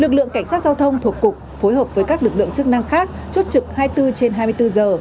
lực lượng cảnh sát giao thông thuộc cục phối hợp với các lực lượng chức năng khác chốt trực hai mươi bốn trên hai mươi bốn giờ